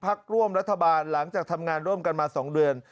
พักร่วมรัฐบาลหลังจากทำงานร่วมกันมา๒เดือน